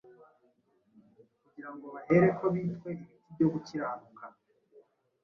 kugira ngo bahereko bitwe ibiti byo gukiranuka